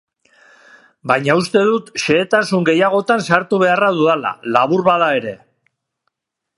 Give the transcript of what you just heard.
Baina uste dut xehetasun gehiagotan sartu beharra dudala, labur bada ere.